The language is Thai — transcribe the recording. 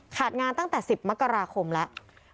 งานตั้งแต่๑๐มกราคมแล้ว